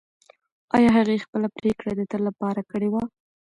ایا هغې خپله پرېکړه د تل لپاره کړې وه؟